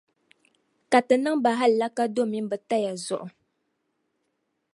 Ka ti niŋ ba hallaka domin bɛ taya zuɣu.